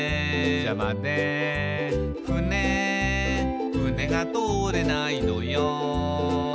「ふねふねが通れないのよ」